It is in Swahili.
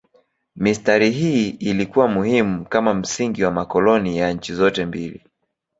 Mistari hii ilikuwa muhimu kama msingi wa makoloni ya nchi zote mbili.